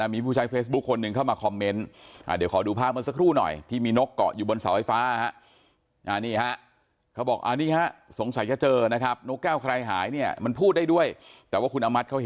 มีคนล่ะสีกันของเขาสีแดง